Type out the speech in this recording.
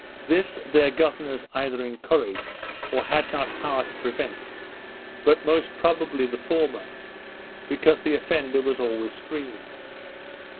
This their governors either encouraged, or had not power to prevent; but most probably the former, because the offender was always screened.